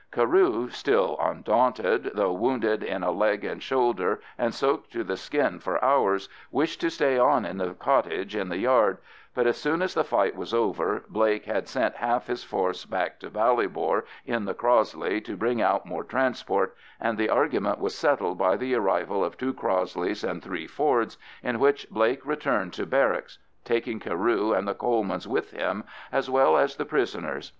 Carew, still undaunted, though wounded in a leg and shoulder and soaked to the skin for hours, wished to stay on in the cottage in the yard; but as soon as the fight was over, Blake had sent half his force back to Ballybor in the Crossley to bring out more transport, and the argument was settled by the arrival of two Crossleys and three Fords, in which Blake returned to barracks, taking Carew and the Colemans with him as well as the prisoners.